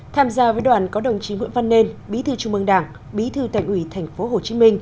tham gia với đoàn có đồng chí nguyễn văn nên bí thư trung mương đảng bí thư thành ủy tp hcm